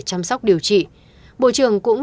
chăm sóc điều trị bộ trưởng cũng